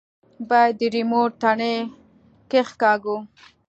بايد د ريموټ تڼۍ کښېکاږو.